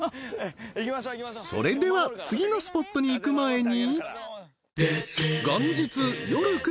［それでは次のスポットに行く前に］